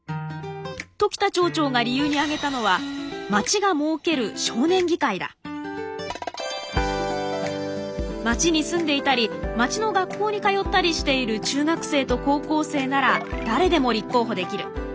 時田町長が理由に挙げたのは町が設ける町に住んでいたり町の学校に通ったりしている中学生と高校生なら誰でも立候補できる。